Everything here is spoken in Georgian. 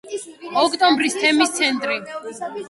ოქტომბრის თემის ცენტრი.